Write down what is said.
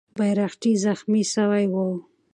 بیرغچی زخمي سوی وو.